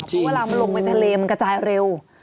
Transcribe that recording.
เพราะเวลามันลงไปทะเลมันกระจายเร็ว